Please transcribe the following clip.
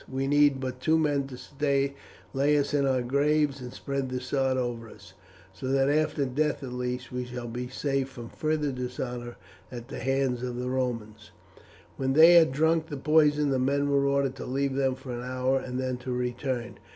We need but two men to lay us in our graves and spread the sods over us; so that after death at least we shall be safe from further dishonour at the hands of the Romans." When they had drunk the poison the men were ordered to leave them for an hour and then to return.